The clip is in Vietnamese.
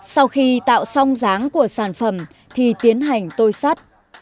sau khi tạo xong dáng của sản phẩm thì tiến hành tôi sắt